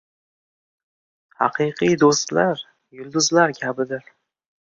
Haqiqiy do‘stlar yulduzlar kabidir